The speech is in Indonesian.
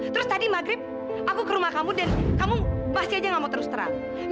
terus tadi maghrib aku ke rumah kamu dan kamu pasti aja gak mau terus terang